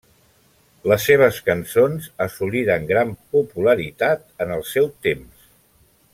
Les seves cançons assoliren gran popularitat en el seu temps.